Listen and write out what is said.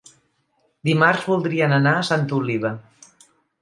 Dimarts voldrien anar a Santa Oliva.